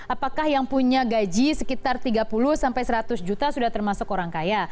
apakah yang punya gaji sekitar tiga puluh sampai seratus juta sudah termasuk orang kaya